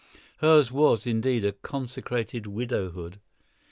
Hers was, indeed, a consecrated widowhood.